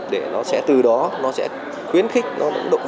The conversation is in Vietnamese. để nó sẽ từ đó khuyến khích động viên các bạn trẻ